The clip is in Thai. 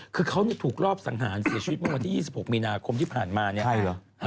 คือเขาถูกรอบสังหารเสียชีวิตเมื่อวันที่๒๖มีนาคมที่ผ่านมาเนี่ย